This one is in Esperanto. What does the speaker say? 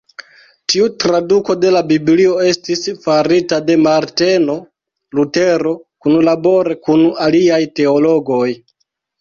Tiu traduko de la Biblio estis farita de Marteno Lutero kunlabore kun aliaj teologoj.